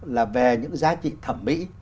là về những giá trị thẩm mỹ